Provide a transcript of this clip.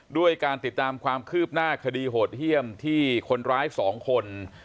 ด้วยการติดตามความคืบหน้าคดีโหดเยี่ยมที่คนร้าย๒คน